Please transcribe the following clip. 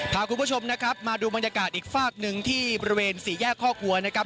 พาคุณผู้ชมนะครับมาดูบรรยากาศอีกฝากหนึ่งที่บริเวณสี่แยกข้อครัวนะครับ